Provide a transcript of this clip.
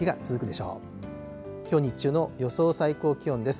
きょう日中の予想最高気温です。